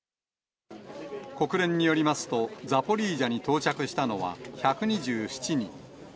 国連によりますと、ザポリージャに到着したのは１２７人。